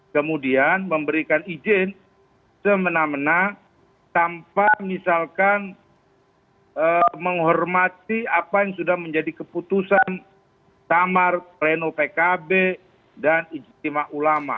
kemudian memberikan izin semena mena tanpa misalkan menghormati apa yang sudah menjadi keputusan samar pleno pkb dan ijtima ulama